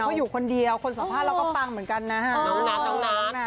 เพราะอยู่คนเดียวคนสอบผ้าเราก็ปังเหมือนกันนะฮะ